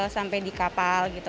sampai di kapal gitu